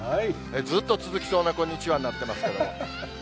ずっと続きそうなこんにちはになってますけども。